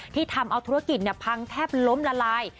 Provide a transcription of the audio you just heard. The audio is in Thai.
ทำเอาธุรกิจพังแทบล้มละลาย